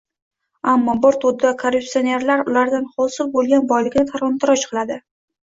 Ammo bir to‘da korrupsionerlar ulardan hosil bo‘lgan boylikni talon-taroj qiladi.